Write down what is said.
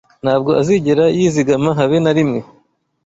ntabwo azigera yizigama habe narimwe